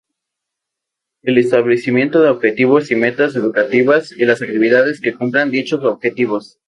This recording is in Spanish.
El establecimiento de objetivos y metas educativas, y las actividades que cumplan dichos objetivos.